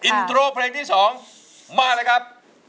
อินโทรเพลงที่๒มาเลยครับ